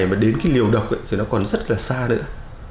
một ngày mà đến cái liều độc thì nó còn rất là xa nữa